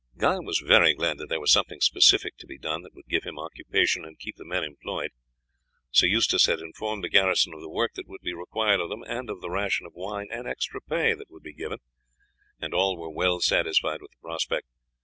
Guy was very glad that there was something specific to be done that would give him occupation and keep the men employed. Sir Eustace had informed the garrison of the work that would be required of them, and of the ration of wine and extra pay that would be given, and all were well satisfied with the prospect.